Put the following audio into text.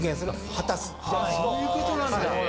「果たす」そういうことなんだ。